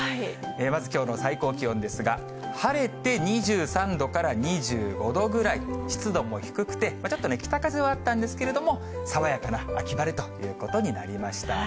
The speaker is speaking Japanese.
まず、きょうの最高気温ですが、晴れて２３度から２５度ぐらい、湿度も低くて、ちょっとね、北風はあったんですけれども、爽やかな秋晴れということになりました。